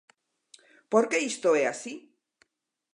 ¿Por que isto é así?